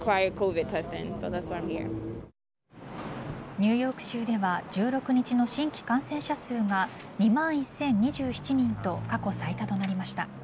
ニューヨーク州では１６日の新規感染者数が２万１０２７人と過去最多となりました。